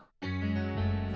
vino yang jahat banget